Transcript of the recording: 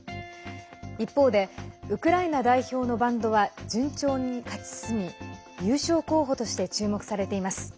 一方でウクライナ代表のバンドは順調に勝ち進み優勝候補として注目されています。